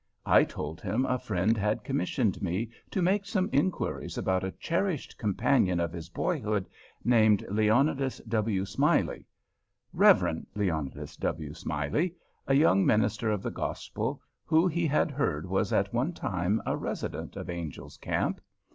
I told him a friend had commissioned me to make some inquiries about a cherished companion of his boyhood named Leonidas W. Smiley—Rev. Leonidas W. Smiley, a young minister of the Gospel, who he had heard was at one time a resident of Angel's Camp.